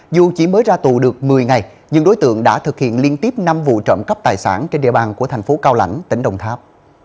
dù chỉ mới ra tù được một mươi ngày nhưng đối tượng đã thực hiện liên tiếp năm vụ trộm cắp tài sản trên địa bàn của thành phố cao lãnh tỉnh đồng tháp